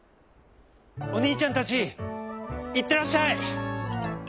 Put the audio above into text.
「おにいちゃんたちいってらっしゃい！